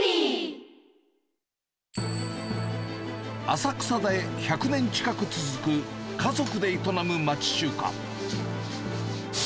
浅草で１００年近く続く、家族で営む町中華。